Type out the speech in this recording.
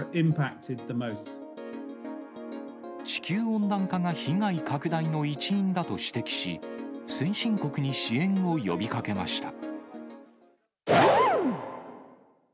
地球温暖化が被害拡大の一因だと指摘し、先進国に支援を呼びかけました。